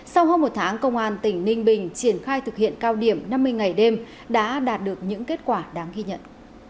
sau hơn một tháng công an tỉnh ninh bình triển khai thực hiện cao điểm năm mươi ngày đêm đã đạt được những kết quả đáng ghi nhận